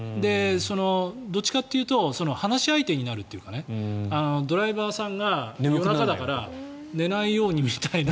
どっちかというと話し相手になるっていうかドライバーさんが夜中だから寝ないようにみたいな。